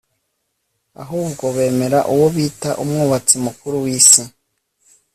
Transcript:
ahubwo bemera uwo bita umwubatsi mukuru w'isi